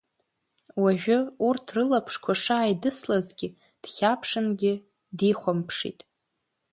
Уажәы, урҭ рылаԥшқәа шааидыслазгьы, дхьаԥшынгьы дихәамԥшит.